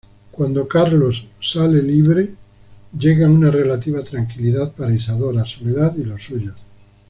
Cuando Carlos sale libre, llega una relativa tranquilidad para Isadora, Soledad y los suyos.